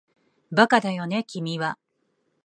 バカだよね君は